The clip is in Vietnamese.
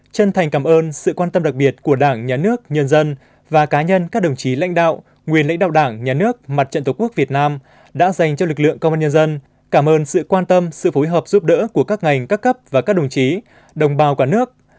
chân thành cảm ơn sự quan tâm đặc biệt của đảng nhà nước nhân dân và cá nhân các đồng chí lãnh đạo nguyên lãnh đạo đảng nhà nước mặt trận tổ quốc việt nam đã dành cho lực lượng công an nhân dân